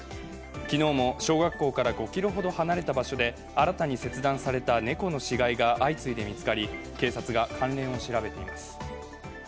昨日も小学校から５ｋｍほど離れた場所で新たに切断された猫の死骸が相次いで見つかり、警察が関連を調べています。